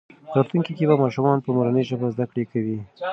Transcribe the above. په راتلونکي کې به ماشومان په مورنۍ ژبه زده کړه کوي.